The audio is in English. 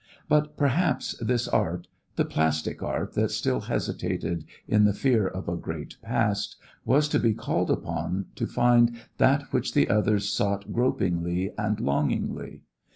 But perhaps this art, the plastic art that still hesitated in the fear of a great past, was to be called upon to find that which the others sought gropingly and longingly.